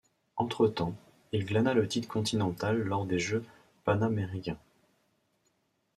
Entre-temps, il glana le titre continental lors des Jeux Panaméricains.